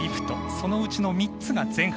そのうちの３つが前半